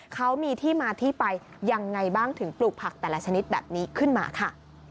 เขามีที่มาที่ไปยังไงบ้างถึงปลูกผักแต่ละชนิดแบบนี้ขึ้นมาค่ะ